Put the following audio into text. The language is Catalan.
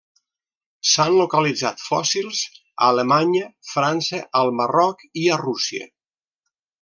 S'han localitzat fòssils a Alemanya, França, al Marroc i a Rússia.